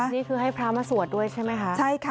นี่คือให้พระมาสวดด้วยใช่ไหมคะ